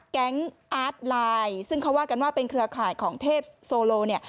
แอดไลน์ซึ่งเขาว่ากันว่าเป็นเครือข่ายของเทพโซโลเนี่ย